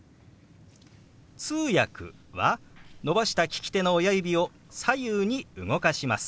「通訳」は伸ばした利き手の親指を左右に動かします。